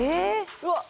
うわっ。